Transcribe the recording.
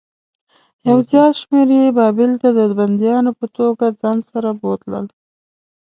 یو زیات شمېر یې بابل ته د بندیانو په توګه ځان سره بوتلل.